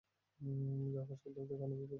যাও, হাসপাতাল থেকে আনা পিলগুলো নিয়ে আসো!